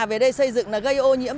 về đây xây dựng gây ô nhiễm